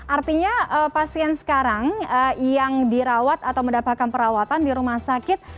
artinya pasien sekarang yang dirawat atau mendapatkan perawatan di rumah sakit